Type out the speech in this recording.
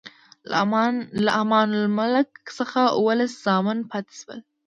له امان الملک څخه اووه لس زامن پاتې شول.